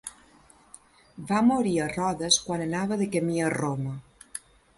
Va morir a Rodes quan anava de camí a Roma.